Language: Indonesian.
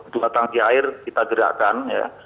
dua tangki air kita gerakkan ya